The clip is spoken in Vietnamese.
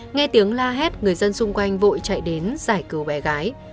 nghe tiếng la hét người dân xung quanh vội chạy đến giải cứu bé gái